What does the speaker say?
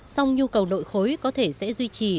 song nhu cầu nội khối có thể sẽ duy trì